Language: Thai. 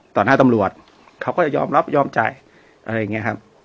ต่อหน้าตำรวจเขาก็จะยอมรับยอมจ่ายอะไรอย่างนี้ครับ